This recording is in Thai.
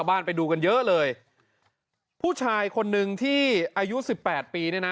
ไปดูกันเยอะเลยผู้ชายคนนึงที่อายุสิบแปดปีเนี่ยนะ